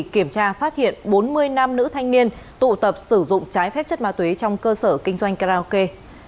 kiểm tra phát hiện bốn mươi nam nữ thanh niên tụ tập sử dụng trái phép chất ma túy trong cơ sở kinh doanh karaoke